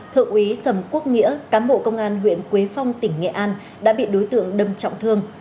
thượng úy sầm quốc nghĩa cán bộ công an huyện quế phong tỉnh nghệ an đã bị đối tượng đâm trọng thương